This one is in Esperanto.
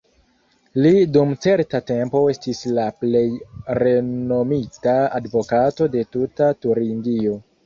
Li dum certa tempo estis la plej renomita advokato de tuta Turingio.